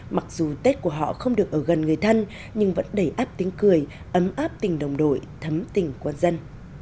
mặc dù tết của họ không được ở gần người thân nhưng vẫn đầy áp tiếng cười ấm áp tình đồng đội thấm tình quân dân